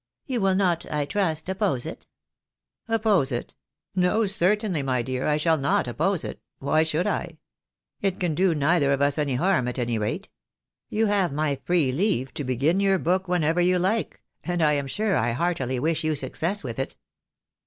You wiU not, I trust, oppose it." " Oppose it .' No, certainly, my dear, I shall not oppose it ; ■why should I ? It can do neither of us any harm, at any rate. You have my free leave to begin your book whenever you Uke, and I am sure I heartily wish you success with it."